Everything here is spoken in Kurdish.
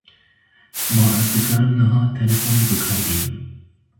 Ma ez dikarim niha têlefonê bikar bînim